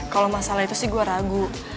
kalau masalah itu sih gue ragu